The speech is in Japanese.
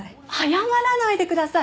謝らないでください！